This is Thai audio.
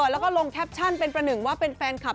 แล้วก็ลงแคปชั่นเป็นประหนึ่งว่าเป็นแฟนคลับ